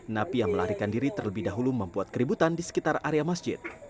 napi yang melarikan diri terlebih dahulu membuat keributan di sekitar area masjid